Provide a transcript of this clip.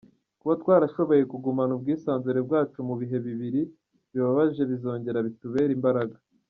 Kuba twarashoboye kugumana ubwisanzure bwacu mu bihe bibiri bibabaje bizongera bitubere imbaraga.”